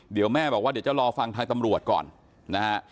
เดี๋ยวแม่บอกว่าเดี๋ยวจะรอฟังทางตำรวจก่อนนะฮะ